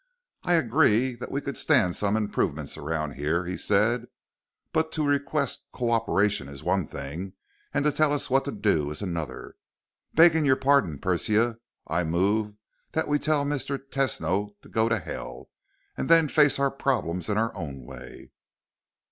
"I agree that we could stand some improvement around here," he said. "But to request co operation is one thing, to tell us what to do, another. Begging your pardon, Persia, I move that we tell Mr. Tesno to go to hell and then face our problems in our own way."